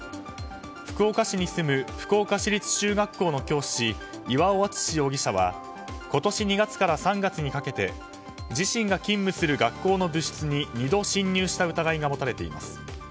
福岡市に住む福岡市立中学校の教師岩尾篤容疑者は今年２月から３月にかけて自身が勤務する学校の部室に２度侵入した疑いが持たれています。